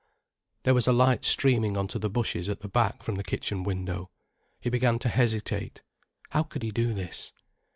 There was a light streaming on to the bushes at the back from the kitchen window. He began to hesitate. How could he do this?